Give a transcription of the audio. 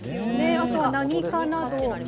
あとは「何科」など。